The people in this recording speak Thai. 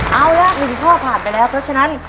เอาละ๑ข้อผ่านไปแล้วเพราะฉะนั้น